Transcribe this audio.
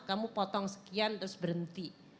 kamu potong sekian terus berhenti